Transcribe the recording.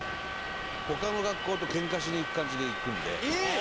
他の学校とケンカしに行く感じで行くんで。